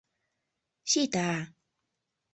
Сита!..